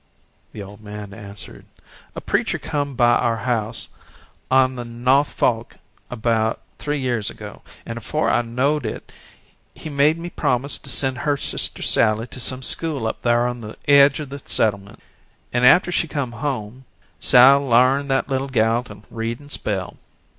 The old man answered: "A preacher come by our house over on the Nawth Fork 'bout three year ago, and afore I knowed it he made me promise to send her sister Sally to some school up thar on the edge of the settlements. And after she come home, Sal larned that little gal to read and spell.